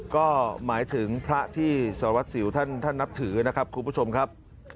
ก็หมายถึงพระที่สารวัสสิวท่านนับถือนะครับคุณผู้ชมครับ